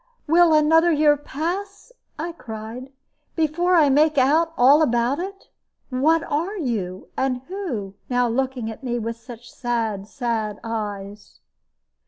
"Will another year pass," I cried, "before I make out all about it? What are you, and who, now looking at me with such sad, sad eyes?"